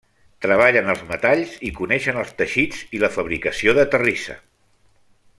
Treballen els metalls i coneixen els teixits i la fabricació de terrissa.